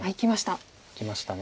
いきました。